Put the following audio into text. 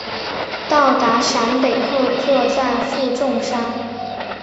到达陕北后作战负重伤。